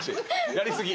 やり過ぎ。